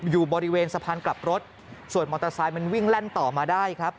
อยู่บริเวณสะพานกลับรถส่วนมอเตอร์ไซค์มันวิ่งแล่นต่อมาได้ครับ